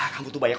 kamu tuh banyak